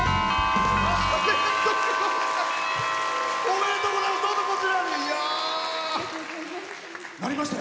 おめでとうございます！